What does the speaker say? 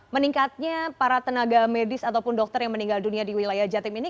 meningkatnya para tenaga medis ataupun dokter yang meninggal dunia di wilayah jatim ini